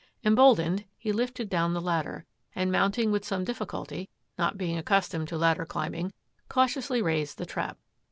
Emboldened, he lifted down the ladder, and mounting with some difficulty — not being accustomed to ladder climbing — cautiously raised the trap.